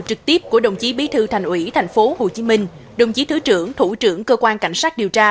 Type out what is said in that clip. trực tiếp của đồng chí bí thư thành ủy tp hcm đồng chí thứ trưởng thủ trưởng cơ quan cảnh sát điều tra